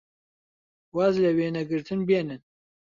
واز لە وێنەگرتن بێنن!